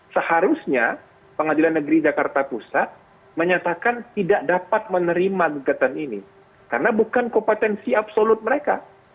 seharusnya pengadilan negeri jakarta pusat menyatakan tidak dapat menerima gugatan ini karena bukan kompetensi absolut mereka